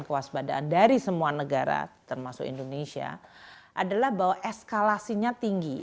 kewaspadaan dari semua negara termasuk indonesia adalah bahwa eskalasinya tinggi